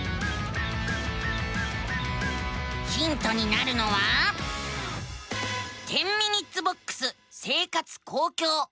ヒントになるのは「１０ｍｉｎ．ボックス生活・公共」。